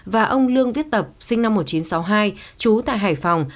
và ông lương viết tập sinh năm một nghìn chín trăm sáu mươi hai trú tại hải phòng